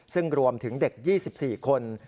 ซึ่งรวมถึงเด็ก๒๔คน